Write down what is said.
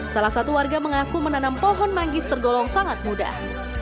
salah satu warga mengaku menanam pohon manggis tergolong sangat mudah